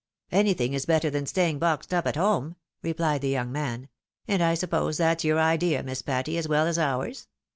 " Anything is better than staying boxed up at home," re phed the young man ;" and I suppose that's your idea, Miss Patty, as well as ours